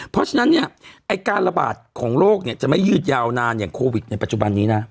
เพราะฉะนั้นเนี่ยไอ้การระบาดของโรคเนี่ยจะไม่ยืดยาวนานอย่างโควิดในปัจจุบันนี้นะ